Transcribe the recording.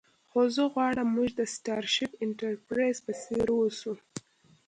خو زه غواړم موږ د سټارشیپ انټرپریز په څیر اوسو